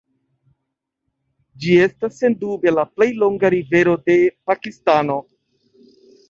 Ĝi estas sendube la plej longa rivero de Pakistano.